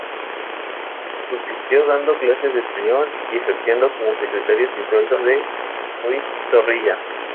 Subsistió dando clases de español y ejerciendo como secretario sin sueldo de Ruiz Zorrilla.